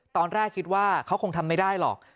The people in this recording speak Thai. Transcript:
ตอนแรกคิดว่าเขาคงทำไม่ได้หรอก